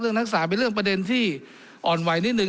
นักศึกษาเป็นเรื่องประเด็นที่อ่อนไหวนิดนึ